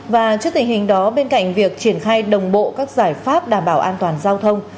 và trước tình hình đó bên cạnh việc triển khai đồng bộ các giải pháp đảm bảo an toàn giao thông